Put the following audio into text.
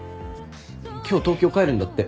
今日東京帰るんだって。